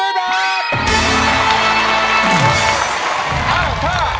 เพื่อนรักไดเกิร์ต